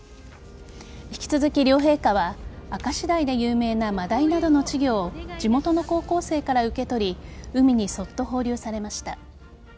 引き続き両陛下は明石鯛で有名なマダイなどの稚魚を地元の高校生から受け取り海に、そっと放流されました。